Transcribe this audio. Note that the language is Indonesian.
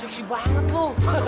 seksi banget lu